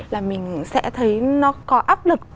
là mình sẽ thấy nó có áp lực